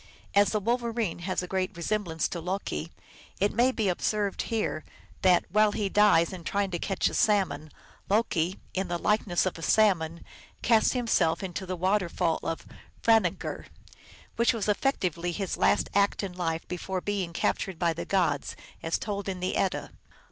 As the Wolverine has a great resemblance to Loki, it may be here observed that, while he dies in trying to catch a salmon, " Loki, in the likeness of a salmon, cast him self into the waterfall of Franangr," which was effec tively his last act in life before being captured by the gods, as told in the Edda.